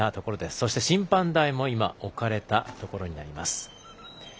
そして、審判台も置かれたところになります。